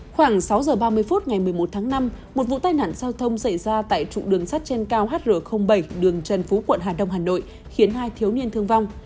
khoảng sáu giờ ba mươi phút ngày một mươi một tháng năm một vụ tai nạn giao thông xảy ra tại trụng đường sắt trên cao hr bảy đường trần phú quận hà đông hà nội khiến hai thiếu niên thương vong